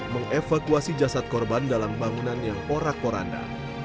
mengevakuasi jasad korban dalam bangunan yang porak poranda